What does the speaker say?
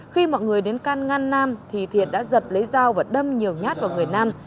khi mọi người đến can ngăn nam thì thiện đã giật lấy dao và đâm nhiều nhát vào người nam